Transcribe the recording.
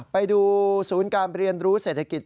ไปดูศูนย์การเรียนรู้เศรษฐกิจ